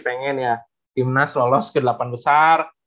pengen ya tim nas lolos ke delapan besar